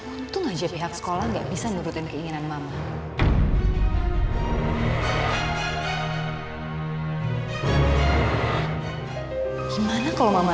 untung aja pihak sekolah gak bisa nurutin keinginan mama